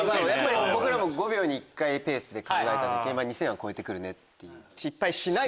僕らも５秒に１回ペースで考えた２０００は超えてくるねっていう。